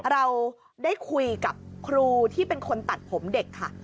เราได้คุยกับครูที่เป็นคนตัดผมเด็กค่ะ